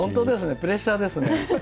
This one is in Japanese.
プレッシャーですね。